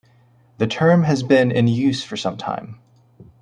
The term has been in use for some time.